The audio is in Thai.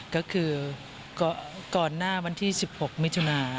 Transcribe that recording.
ก็คือก่อนหน้าวันที่๑๖มิถุนา